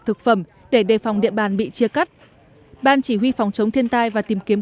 thực phẩm để đề phòng địa bàn bị chia cắt ban chỉ huy phòng chống thiên tai và tìm kiếm